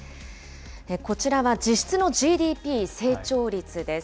こちらは実質のＧＤＰ成長率です。